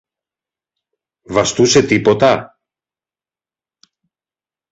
Βαστούσε τίποτα;